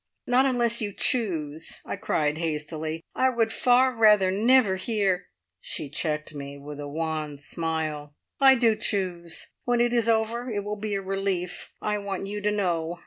"Not unless you choose," I cried hastily. "I would far rather never hear " She checked me with a wan smile. "I do choose. When it is over, it will be a relief. I want you to know.